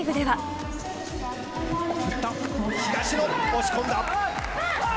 東野、押し込んだ。